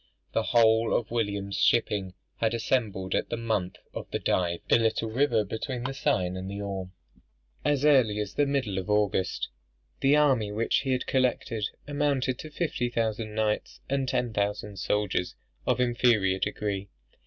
The whole of William's shipping had assembled at the mouth of the Dive, a little river between the Seine and the Orme, as early as the middle of August. The army which he had collected, amounted to fifty thousand knights, and ten thousand soldiers of inferior degree.